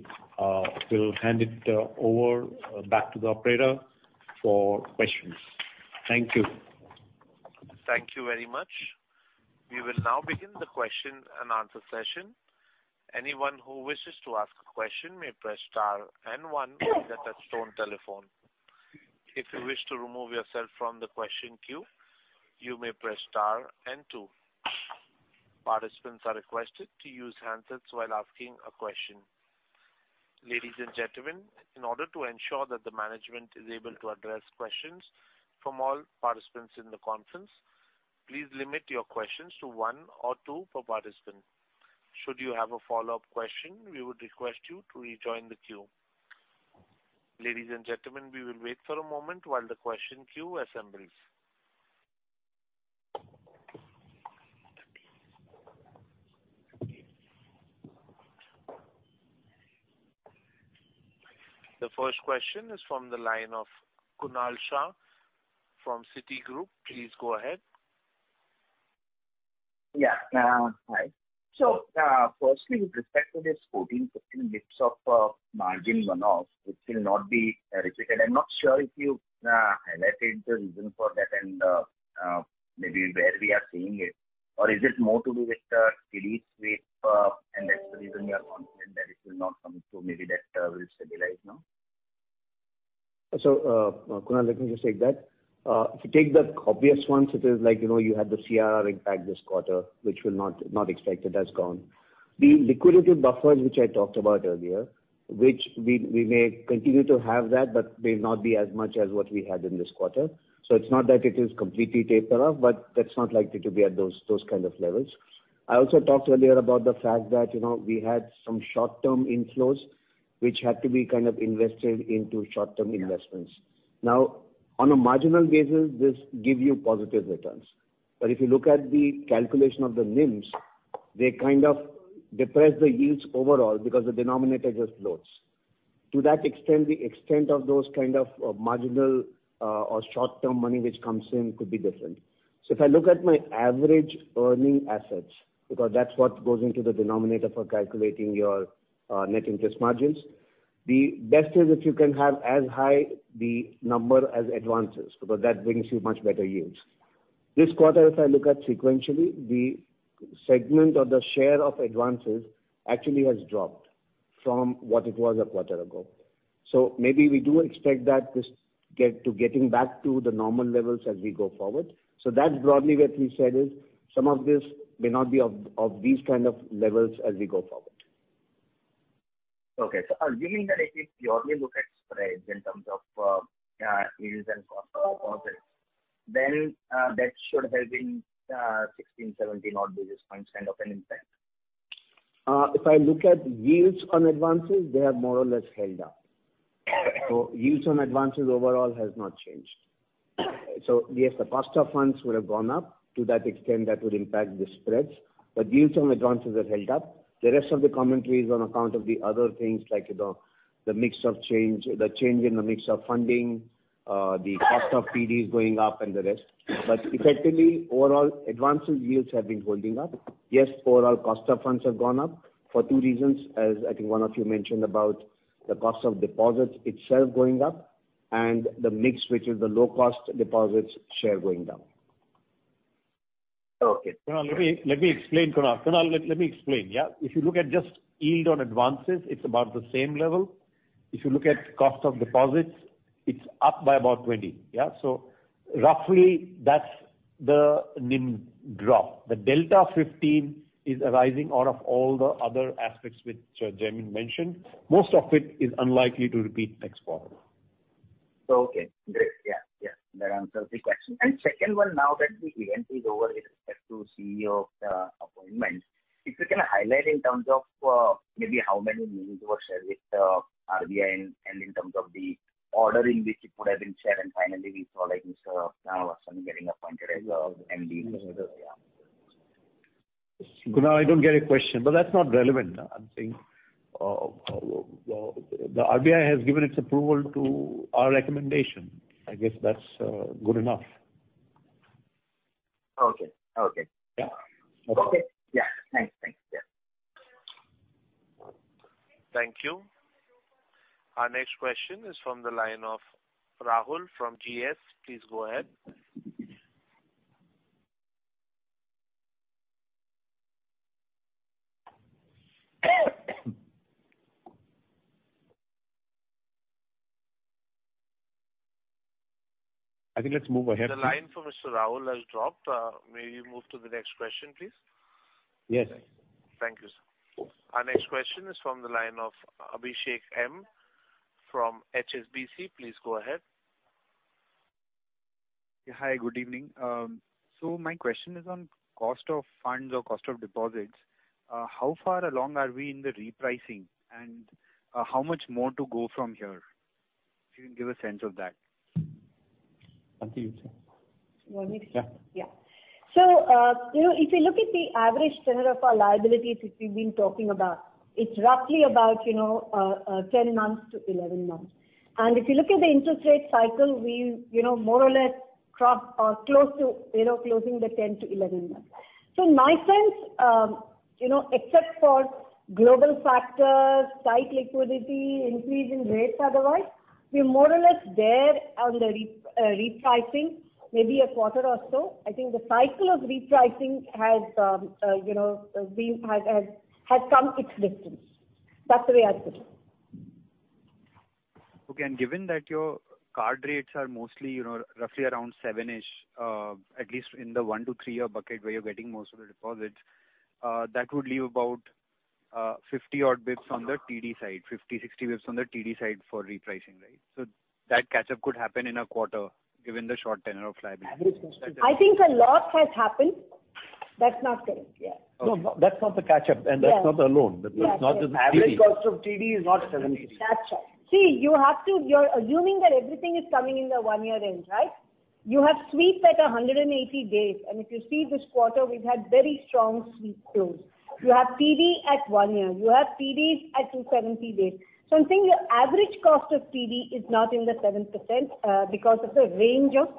will hand it over back to the operator for questions. Thank you. Thank you very much. We will now begin the question and answer session. Anyone who wishes to ask a question may press star and one on the touchtone telephone. If you wish to remove yourself from the question queue, you may press star and two. Participants are requested to use handsets while asking a question. Ladies and gentlemen, in order to ensure that the management is able to address questions from all participants in the conference, please limit your questions to one or two per participant. Should you have a follow-up question, we would request you to rejoin the queue. Ladies and gentlemen, we will wait for a moment while the question queue assembles. The first question is from the line of Kunal Shah from Citigroup. Please go ahead. Yeah, hi. So, firstly, with respect to this 14-15 bps of margin run-off, which will not be repeated, I'm not sure if you highlighted the reason for that and maybe where we are seeing it? or is it more to do with the release rate, and that's the reason you are confident that it will not come to, maybe that, will stabilize now? So, Kunal, let me just take that. If you take the obvious ones, it is like, you know, you had the CRR impact this quarter, which will not, not expected, that's gone. The liquidity buffer which I talked about earlier, which we, we may continue to have that, but may not be as much as what we had in this quarter. So it's not that it is completely tapered off, but that's not likely to be at those, those kind of levels. I also talked earlier about the fact that, you know, we had some short-term inflows which had to be kind of invested into short-term investments. Now, on a marginal basis, this give you positive returns. But if you look at the calculation of the NIMS, they kind of depress the yields overall because the denominator just loads. To that extent, the extent of those kind of marginal or short-term money which comes in could be different. So if I look at my average earning assets, because that's what goes into the denominator for calculating your net interest margins, the best is if you can have as high the number as advances, because that brings you much better yields. This quarter, if I look at sequentially, the segment or the share of advances actually has dropped from what it was a quarter ago. So maybe we do expect that this get to getting back to the normal levels as we go forward. So that's broadly what we said is, some of this may not be of, of these kind of levels as we go forward. Okay. So assuming that if we purely look at spreads in terms of yields and cost of deposits, then that should have been 16, 17 odd basis points kind of an impact. If I look at yields on advances, they have more or less held up. So yields on advances overall has not changed. So yes, the cost of funds would have gone up, to that extent that would impact the spreads, but yields on advances have held up. The rest of the commentary is on account of the other things like, you know, the mix of change, the change in the mix of funding, the cost of TDs going up and the rest. But effectively, overall, advances yields have been holding up. Yes, overall cost of funds have gone up for two reasons, as I think one of you mentioned, about the cost of deposits itself going up and the mix, which is the low-cost deposits share going down. Okay. Kunal, let me, let me explain, Kunal. Kunal, let, let me explain, yeah? If you look at just yield on advances, it's about the same level. If you look at cost of deposits, it's up by about 20, yeah? So roughly, that's the NIM drop. The delta 15 is arising out of all the other aspects which Jaimin mentioned. Most of it is unlikely to repeat next quarter. Okay. Great, yeah, yeah, that answers the question. And second one, now that the event is over with respect to CEO appointment, if you can highlight in terms of, maybe how many meetings were shared with RBI and, and in terms of the order in which it would have been shared, and finally we saw, like, Mr. Ashok Vaswani getting appointed as MD, yeah. Kunal, I don't get your question, but that's not relevant. I'm saying, the RBI has given its approval to our recommendation. I guess that's good enough. Okay. Okay. Yeah. Okay. Yeah. Thanks. Thanks, yeah. Thank you. Our next question is from the line of Rahul from GS. Please go ahead. I think, let's move ahead. The line for Mr. Rahul has dropped. May you move to the next question, please? Yes. Thank you, sir. Our next question is from the line of Abhishek M from HSBC. Please go ahead. Hi, good evening. So my question is on cost of funds or cost of deposits. How far along are we in the repricing, and how much more to go from here? If you can give a sense of that. Abhishek? You want me to- Yeah. Yeah. So, you know, if you look at the average tenure of our liabilities, which we've been talking about, it's roughly about, you know, 10-11 months. And if you look at the interest rate cycle, we, you know, more or less come close to, you know, closing the 10-11 months. So my sense, you know, except for global factors, tight liquidity, increase in rates, otherwise, we're more or less there on the repricing, maybe a quarter or so. I think the cycle of repricing has, you know, has come its distance. That's the way I see it. Okay, and given that your card rates are mostly, you know, roughly around 7-ish, at least in the 1-3-year bucket where you're getting most of the deposits, that would leave about 50-odd basis points on the TD side, 50, 60 basis points on the TD side for repricing, right? So that catch-up could happen in a quarter, given the short tenure of liability. Average cost of- I think a lot has happened. That's not correct, yeah. No, no, that's not the catch-up- Yeah. And that's not the loan. Yeah. That's not the TD. Average cost of TD is not 7-8. That's right. See, you have to. You're assuming that everything is coming in the one-year range, right? You have sweeps at 180 days, and if you see this quarter, we've had very strong sweep flows. You have TD at one year. You have TDs at 270 days. So I'm saying the average cost of TD is not in the 7%, because of the range of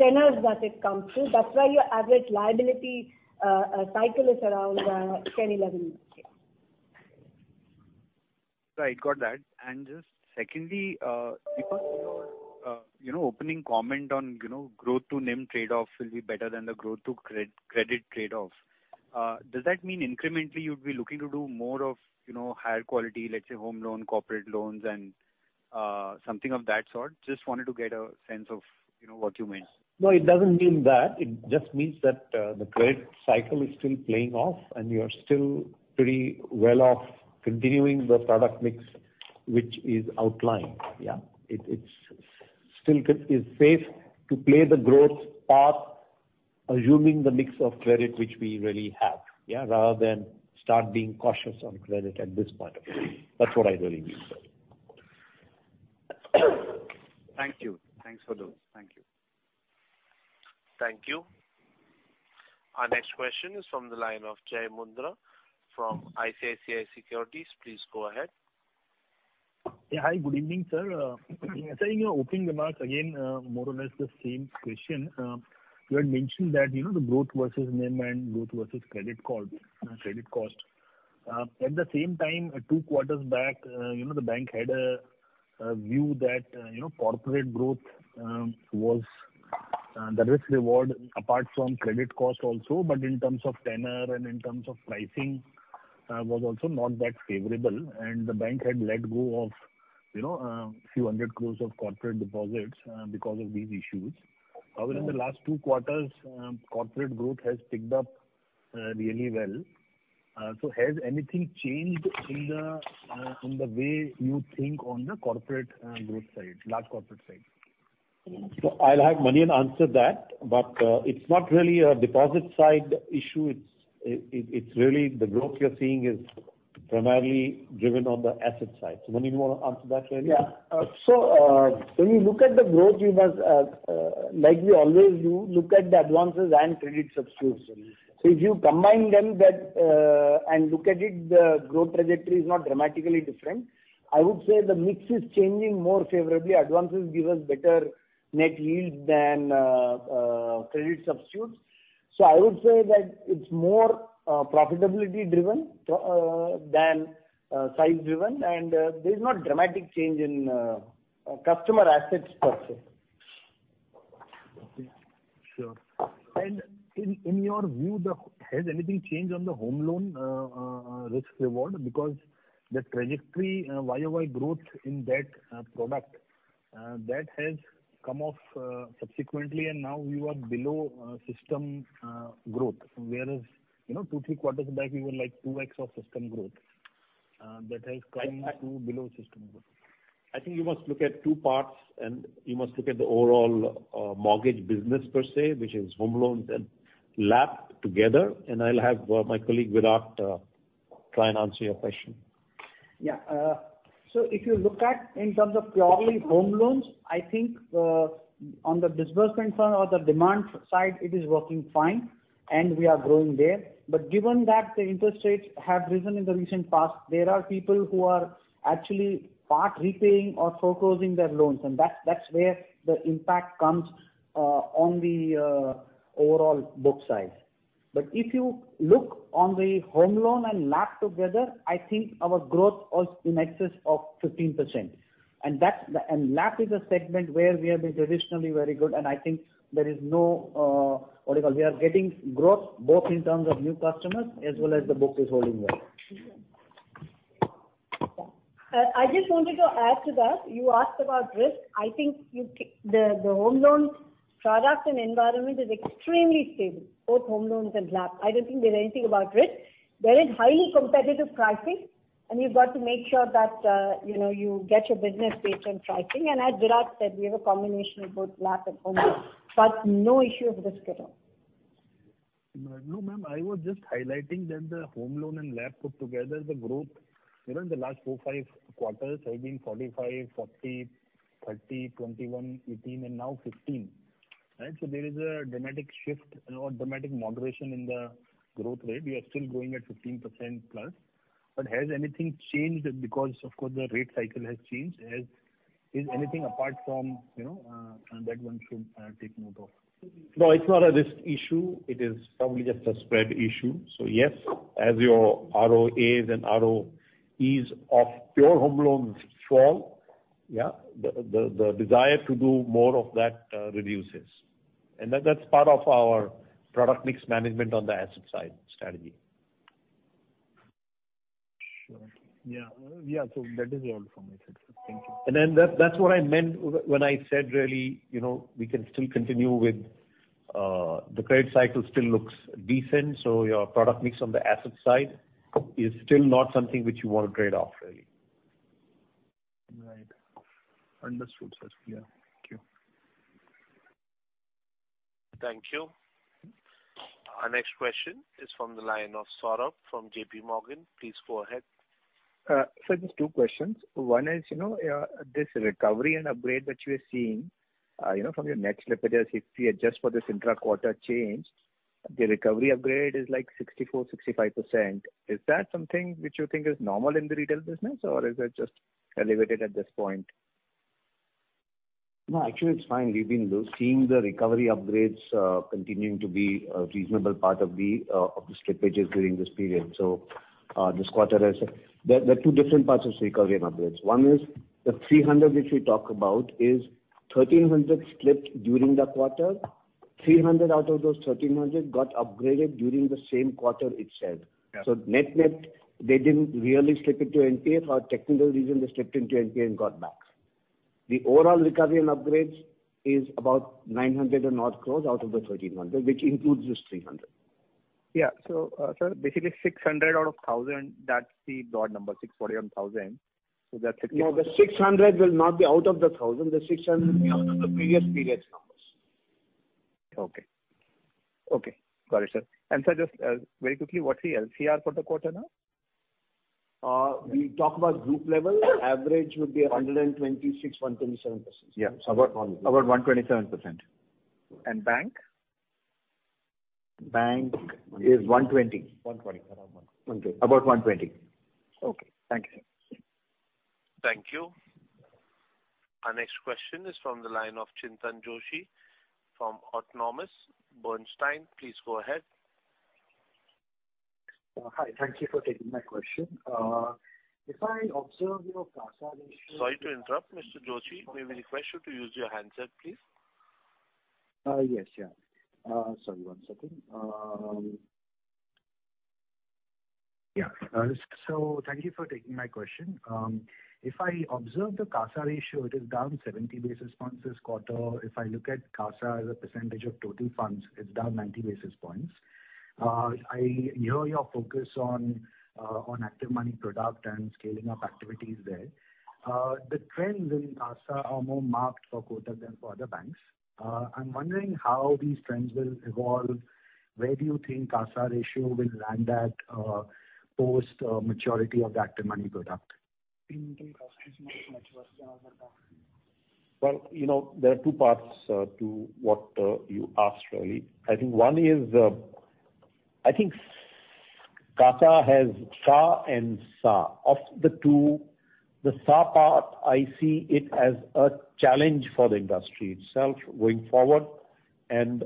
tenors that it comes through. That's why your average liability cycle is around 10, 11 days. Right, got that. And just secondly, Dipak, your, you know, opening comment on, you know, growth to NIM trade-off will be better than the growth to credit trade-off. Does that mean incrementally you'd be looking to do more of, you know, higher quality, let's say, home loan, corporate loans, and, something of that sort? Just wanted to get a sense of, you know, what you mean. No, it doesn't mean that. It just means that, the credit cycle is still playing off, and you are still pretty well off continuing the product mix which is outlined. Yeah. It's still safe to play the growth path, assuming the mix of credit which we really have, yeah, rather than start being cautious on credit at this point of time. That's what I really mean, sir. Thank you. Thanks for those. Thank you. Thank you. Our next question is from the line of Jai Mundhra from ICICI Securities. Please go ahead. Yeah, hi, good evening, sir. Sir, in your opening remarks again, more or less the same question. You had mentioned that, you know, the growth versus NIM and growth versus credit cost, credit cost. At the same time, two quarters back, you know, the bank had a view that, you know, corporate growth was the risk reward, apart from credit cost also, but in terms of tenure and in terms of pricing was also not that favorable. And the bank had let go of, you know, a few hundred crores of corporate deposits because of these issues. However, in the last two quarters, corporate growth has picked up really well. So has anything changed in the way you think on the corporate growth side, large corporate side? So I'll have Manian answer that. But it's not really a deposit side issue, it's really the growth you're seeing is primarily driven on the asset side. So, Manian, you want to answer that really? Yeah. So, when you look at the growth, you must, like we always do, look at the advances and credit substitutes. So if you combine them that, and look at it, the growth trajectory is not dramatically different. I would say the mix is changing more favorably. Advances give us better net yield than credit substitutes. So I would say that it's more profitability driven than size driven, and there's not dramatic change in customer assets per se. Okay. Sure. In your view, has anything changed on the home loan risk reward? Because the trajectory, YoY growth in that product that has come off subsequently, and now we are below system growth. Whereas, you know, 2, 3 quarters back, we were like 2x of system growth, that has come to below system growth. I think you must look at two parts, and you must look at the overall, mortgage business per se, which is home loans and LAP together, and I'll have, my colleague, Virat, try and answer your question. Yeah. So if you look at in terms of purely home loans, I think, on the disbursement front or the demand side, it is working fine, and we are growing there. But given that the interest rates have risen in the recent past, there are people who are actually part repaying or foreclosing their loans, and that's, that's where the impact comes, on the, overall book side. But if you look on the home loan and LAP together, I think our growth was in excess of 15%. And that's the. and LAP is a segment where we have been traditionally very good, and I think there is no, what do you call? We are getting growth both in terms of new customers as well as the book is holding well. I just wanted to add to that. You asked about risk. I think the home loan product and environment is extremely stable, both home loans and LAP. I don't think there's anything about risk. There is highly competitive pricing, and you've got to make sure that, you know, you get your business based on pricing. And as Virat said, we have a combination of both LAP and home loans, but no issue of risk at all. No, ma'am, I was just highlighting that the home loan and LAP put together, the growth, you know, in the last four, five quarters have been 45,% 40%, 30%, 21%, 18% and now 15%. Right? So there is a dramatic shift or dramatic moderation in the growth rate. We are still growing at 15% plus. But has anything changed? Because, of course, the rate cycle has changed. Has, is anything apart from, you know, that one should take note of? No, it's not a risk issue. It is probably just a spread issue. So yes, as your ROAs and ROEs of pure home loans fall, yeah, the desire to do more of that reduces. And that's part of our product mix management on the asset side strategy. Sure. Yeah. Yeah, so that is all from my side. Thank you. And then, that's, that's what I meant when I said really, you know, we can still continue with the credit cycle still looks decent, so your product mix on the asset side is still not something which you want to trade off really. Right. Understood, sir. Yeah. Thank you. Thank you. Our next question is from the line of Saurabh from JPMorgan. Please go ahead. So just two questions. One is, you know, this recovery and upgrade that you are seeing, you know, from your next slip, it is, if we adjust for this intra-quarter change, the recovery upgrade is like 64%-65%. Is that something which you think is normal in the retail business, or is it just elevated at this point? No, actually, it's fine. We've been seeing the recovery upgrades continuing to be a reasonable part of the slippages during this period. This quarter has—there are two different parts of recovery and upgrades. One is the 300 which we talk about is 1,300 slipped during the quarter, 300 out of those 1,300 got upgraded during the same quarter itself. Yeah. Net-net, they didn't really slip into NPA for technical reason, they slipped into NPA and got back. The overall recovery and upgrades is about 900-odd crore out of the 1,300 crore, which includes this 300 crore. Yeah. So, sir, basically 600 out of 1,000, that's the odd number, 641,000. So that's it- No, the 600 will not be out of the 1,000, the 600 will be out of the previous period's numbers. Okay. Okay, got it, sir. And sir, just, very quickly, what's the LCR for the quarter now? We talk about group level, average would be 126%-127%. Yeah, about 127%. And bank? Bank is 120%. 120%, around 120%. About 120%. Okay. Thank you, sir. Thank you. Our next question is from the line of Chintan Joshi from Autonomous Research. Please go ahead. Hi. Thank you for taking my question. If I observe your CASA ratio- Sorry to interrupt, Mr. Joshi. We request you to use your handset, please. Yes, yeah. Sorry, one second. Yeah. So thank you for taking my question. If I observe the CASA ratio, it is down 70 basis points this quarter. If I look at CASA as a percentage of total funds, it's down 90 basis points. I hear your focus on ActivMoney product and scaling up activities there. The trends in CASA are more marked for Kotak than for other banks. I'm wondering how these trends will evolve. Where do you think CASA ratio will land at post maturity of the ActivMoney product? Well, you know, there are two parts to what you asked, really. I think one is, I think CASA has CA and SA. Of the two, the SA part, I see it as a challenge for the industry itself going forward. And,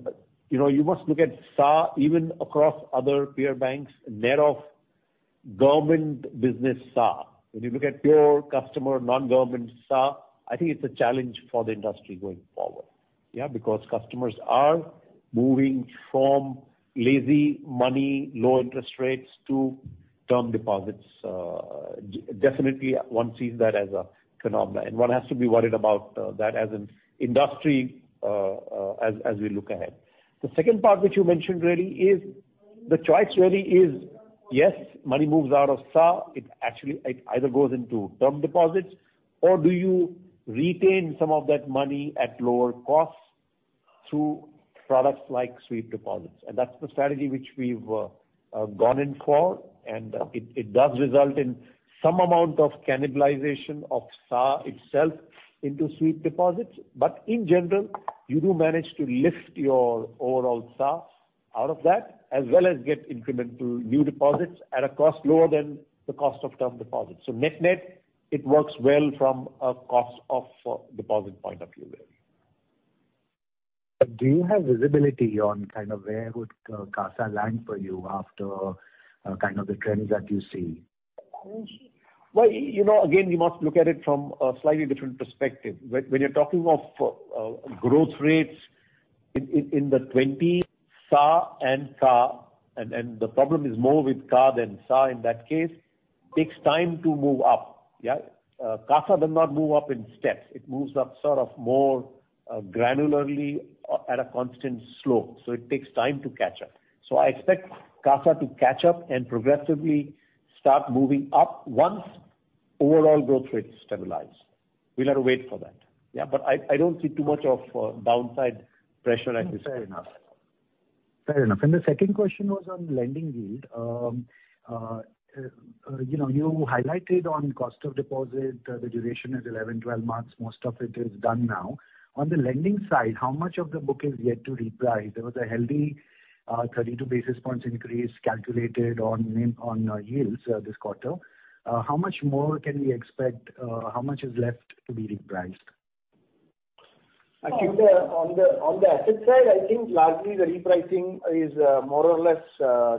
you know, you must look at SA even across other peer banks, net of government business SA. When you look at pure customer, non-government SA, I think it's a challenge for the industry going forward. Yeah, because customers are moving from lazy money, low interest rates, to term deposits. Definitely, one sees that as a phenomenon, and one has to be worried about that as an industry, as we look ahead. The second part, which you mentioned really, is the choice really is, yes, money moves out of SA, it actually, it either goes into term deposits, or do you retain some of that money at lower costs through products like sweep deposits? And that's the strategy which we've gone in for, and, it does result in some amount of cannibalization of SA itself into sweep deposits. But in general, you do manage to lift your overall SA out of that, as well as get incremental new deposits at a cost lower than the cost of term deposits. So net-net, it works well from a cost of deposit point of view, really. Do you have visibility on kind of where would CASA land for you after kind of the trends that you see? Well, you know, again, you must look at it from a slightly different perspective. When you're talking of growth rates in the twenties, SA and CA, and the problem is more with CA than SA in that case, takes time to move up. Yeah. CASA does not move up in steps. It moves up sort of more granularly at a constant slope, so it takes time to catch up. So I expect CASA to catch up and progressively start moving up once overall growth rates stabilize. We'll have to wait for that. Yeah, but I don't see too much of downside pressure at this point. Fair enough. Fair enough. And the second question was on lending yield. You know, you highlighted on cost of deposit, the duration is 11, 12 months, most of it is done now. On the lending side, how much of the book is yet to reprice? There was a healthy, 32 basis points increase calculated on, in, on, yields, this quarter. How much more can we expect? How much is left to be repriced? I think, on the asset side, I think largely the repricing is more or less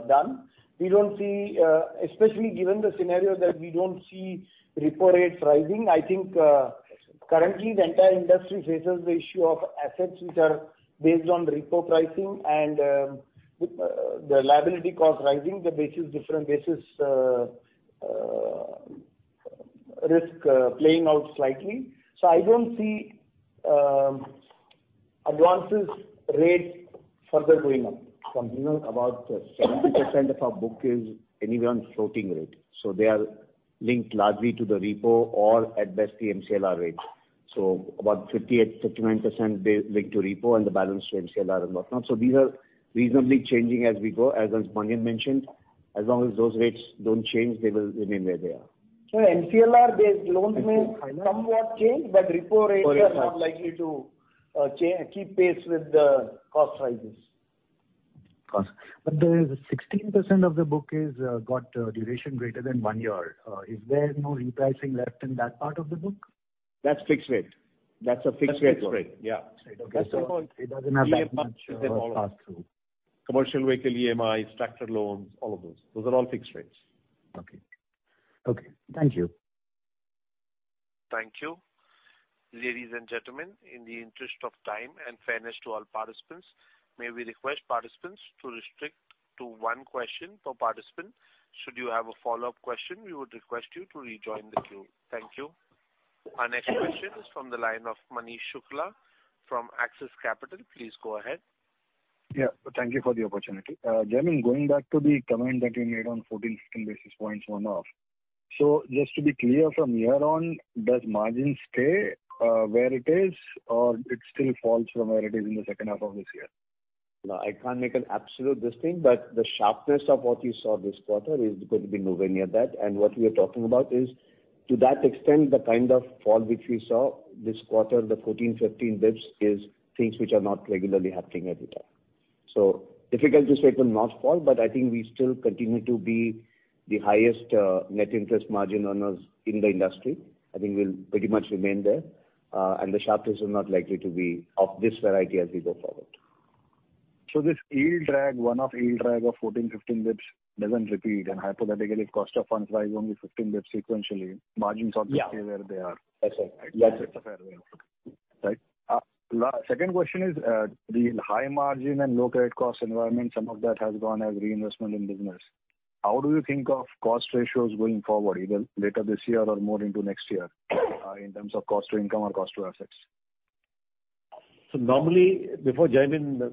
done. We don't see, especially given the scenario that we don't see repo rates rising, I think, currently the entire industry faces the issue of assets which are based on repo pricing and the liability cost rising, the basis, different basis risk playing out slightly. So I don't see advances rate further going up. You know, about 70% of our book is anyway on floating rate, so they are linked largely to the repo or at best the MCLR rate. So about 59%, they link to repo and the balance to MCLR and whatnot. So these are reasonably changing as we go. As Manian mentioned, as long as those rates don't change, they will remain where they are. So MCLR-based loans may somewhat change, but repo rates are not likely to keep pace with the cost rises. Of course, but there is 16% of the book is got duration greater than one year. Is there no repricing left in that part of the book? That's fixed rate. That's a fixed rate. That's fixed rate. Yeah. Okay, so it doesn't have that much, pass through. Commercial vehicle, EMIs, tractor loans, all of those. Those are all fixed rates. Okay. Okay. Thank you. Thank you. Ladies and gentlemen, in the interest of time and fairness to all participants, may we request participants to restrict to one question per participant. Should you have a follow-up question, we would request you to rejoin the queue. Thank you. Our next question is from the line of Manish Shukla from Axis Capital. Please go ahead. Yeah, thank you for the opportunity. Jaimin, going back to the comment that you made on 14, 15 basis points one-off, so just to be clear, from here on, does margin stay where it is, or it still falls from where it is in the second half of this year? No, I can't make an absolute this thing, but the sharpness of what you saw this quarter is going to be nowhere near that. And what we are talking about is, to that extent, the kind of fall which we saw this quarter, the 14-15 basis points, is things which are not regularly happening every time. So difficult to say it will not fall, but I think we still continue to be the highest net interest margin earners in the industry. I think we'll pretty much remain there, and the sharpness is not likely to be of this variety as we go forward. So this yield drag, one-off yield drag of 14-15 basis points doesn't repeat, and hypothetically, cost of funds rise only 15 basis points sequentially, margins ought to stay where they are? Yeah. That's right. That's a fair way of looking, right? Second question is, the high margin and low credit cost environment, some of that has gone as reinvestment in business. How do you think of cost ratios going forward, either later this year or more into next year, in terms of cost to income or cost to assets? So normally, before Jaimin,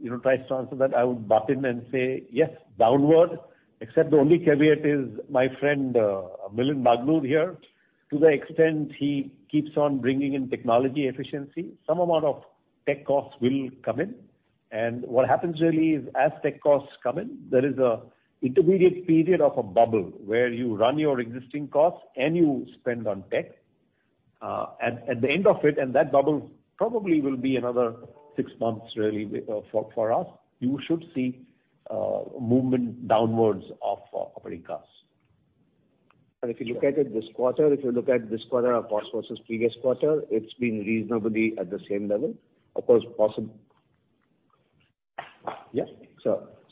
you know, tries to answer that, I would butt in and say, "Yes, downward," except the only caveat is my friend, Milind Nagnur here, to the extent he keeps on bringing in technology efficiency, some amount of tech costs will come in. And what happens really is as tech costs come in, there is a intermediate period of a bubble where you run your existing costs and you spend on tech. At the end of it, and that bubble probably will be another six months really for us, you should see movement downwards of our operating costs. If you look at it this quarter, if you look at this quarter, our costs versus previous quarter, it's been reasonably at the same level, of course, possi- Yeah.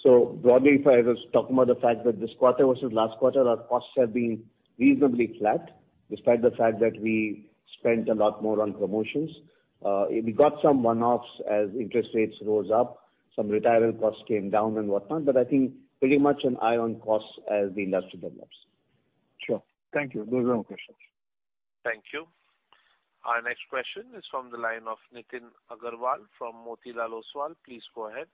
So broadly, if I was talking about the fact that this quarter versus last quarter, our costs have been reasonably flat, despite the fact that we spent a lot more on promotions. We got some one-offs as interest rates rose up, some retirement costs came down and whatnot, but I think pretty much an eye on costs as the industry develops. Sure. Thank you. Those are all questions. Thank you. Our next question is from the line of Nitin Aggarwal from Motilal Oswal. Please go ahead.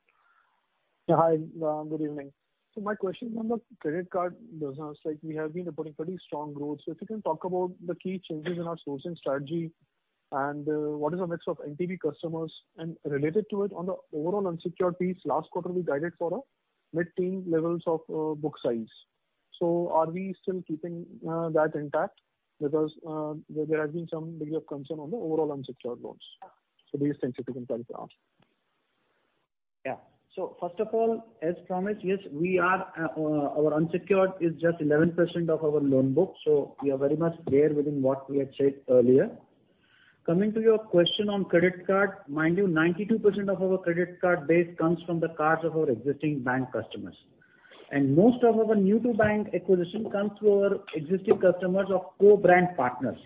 Hi, good evening. So my question is on the credit card business. Like, we have been putting pretty strong growth. So if you can talk about the key changes in our sourcing strategy and, what is the mix of NTB customers? And related to it, on the overall unsecured piece, last quarter, we guided for a mid-teen levels of, book size. So are we still keeping, that intact? Because, there has been some degree of concern on the overall unsecured loans. So these things if you can tell us about. Yeah. So first of all, as promised, yes, we are, our unsecured is just 11% of our loan book, so we are very much there within what we had said earlier. Coming to your question on credit card, mind you, 92% of our credit card base comes from the cards of our existing bank customers. And most of our new to bank acquisition comes through our existing customers of co-brand partners,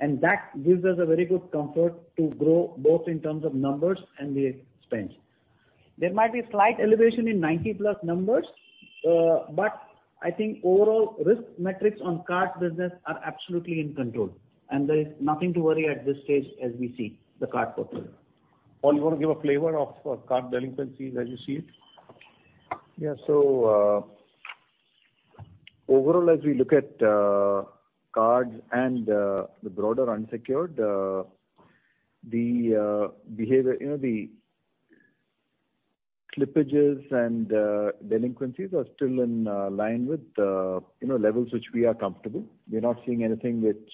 and that gives us a very good comfort to grow both in terms of numbers and the spend. There might be slight elevation in 90+ numbers, but I think overall risk metrics on card business are absolutely in control, and there is nothing to worry at this stage as we see the card portfolio. Paul, you want to give a flavor of card delinquencies as you see it? Yeah. So, overall, as we look at cards and the broader unsecured behavior, you know, the slippages and delinquencies are still in line with, you know, levels which we are comfortable. We're not seeing anything which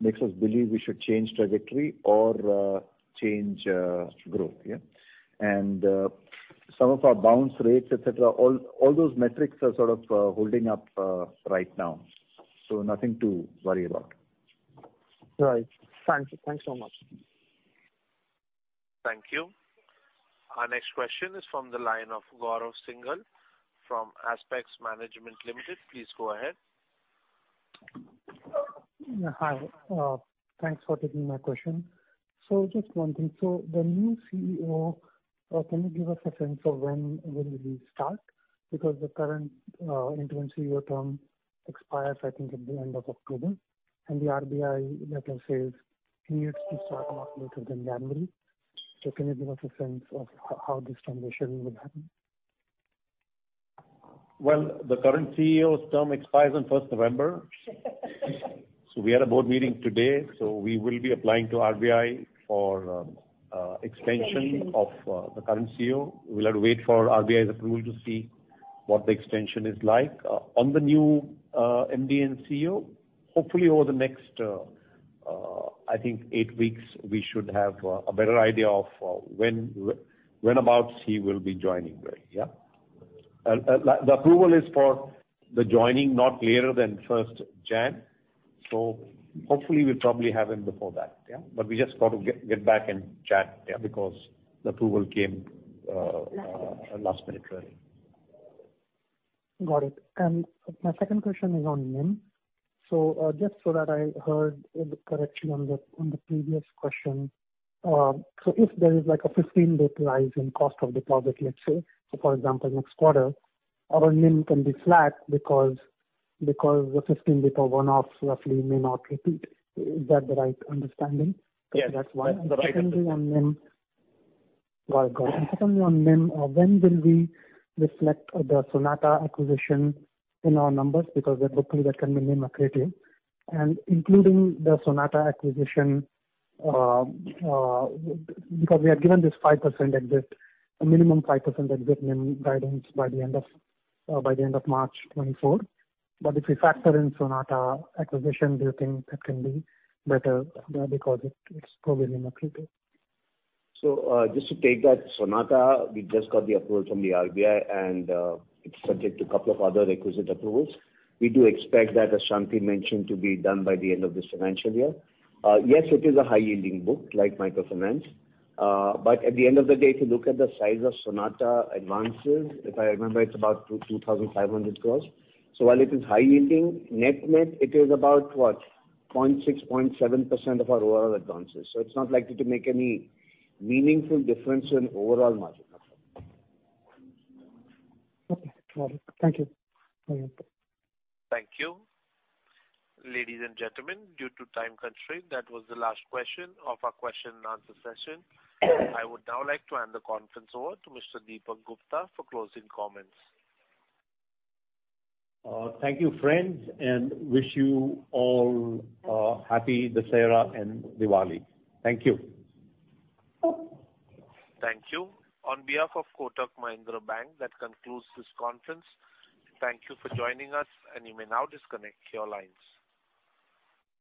makes us believe we should change trajectory or change growth. Yeah. And some of our bounce rates, et cetera, all those metrics are sort of holding up right now, so nothing to worry about. Right. Thank you. Thanks so much. Thank you. Our next question is from the line of Gaurav Singhal from Aspex Management Limited. Please go ahead. Hi. Thanks for taking my question. So just one thing. So the new CEO, can you give us a sense of when, when will he start? Because the current, interim CEO term expires, I think, at the end of October, and the RBI, that is, says he needs to start not later than January. So can you give us a sense of how this transition will happen? Well, the current CEO's term expires on first November. So we had a board meeting today, so we will be applying to RBI for extension of the current CEO. We'll have to wait for RBI's approval to see what the extension is like. On the new MD and CEO, hopefully over the next I think 8 weeks, we should have a better idea of whenabouts he will be joining us, yeah? The approval is for the joining, not later than first January. So hopefully, we'll probably have him before that, yeah. But we just got to get back and chat, yeah, because the approval came last minute, really. Got it. And my second question is on NIM. So, just so that I heard correctly on the, on the previous question, so if there is like a 15 bps rise in cost of deposit, let's say, so for example, next quarter, our NIM can be flat because, because the 15-day for one-off roughly may not repeat. Is that the right understanding? Yes. So that's why- That's right. Secondly, on NIM. Well, got it. Secondly, on NIM, when will we reflect the Sonata acquisition in our numbers? Because hopefully that can be NIM accretive. Including the Sonata acquisition, because we are given this 5% exit, a minimum 5% exit NIM guidance by the end of, by the end of March 2024. But if we factor in Sonata acquisition, do you think that can be better because it, it's probably accretive? So, just to take that, Sonata, we just got the approval from the RBI, and, it's subject to a couple of other requisite approvals. We do expect that, as Shanti mentioned, to be done by the end of this financial year. Yes, it is a high-yielding book, like microfinance. But at the end of the day, if you look at the size of Sonata advances, if I remember, it's about 2,500 crore. So while it is high-yielding, net-net, it is about what? 0.6%-0.7% of our overall advances. So it's not likely to make any meaningful difference in overall margin. Okay. Got it. Thank you. Thank you. Ladies and gentlemen, due to time constraint, that was the last question of our question and answer session. I would now like to hand the conference over to Mr. Dipak Gupta for closing comments. Thank you, friends, and wish you all, happy Dussehra and Diwali. Thank you. Thank you. On behalf of Kotak Mahindra Bank, that concludes this conference. Thank you for joining us, and you may now disconnect your lines.